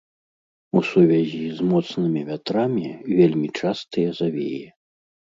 У сувязі з моцнымі вятрамі вельмі частыя завеі.